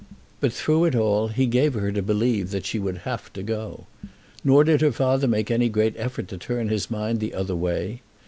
But, through it all, he gave her to believe that she would have to go. Nor did her father make any great effort to turn his mind the other way.